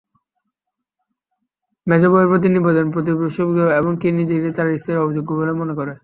মেজোবউয়ের প্রতি নবীনের ভক্তি সুগভীর, এমন-কি নিজেকে তার স্ত্রীর অযোগ্য বলেই মনে করে।